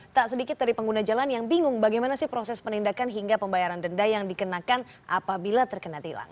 tak sedikit dari pengguna jalan yang bingung bagaimana sih proses penindakan hingga pembayaran denda yang dikenakan apabila terkena tilang